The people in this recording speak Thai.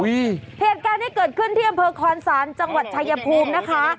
เหตุการณ์ที่เกิดขึ้นที่อำเภอคอนศาลจังหวัดชายภูมินะคะ